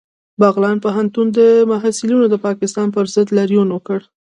بغلان پوهنتون محصلینو د پاکستان پر ضد لاریون وکړ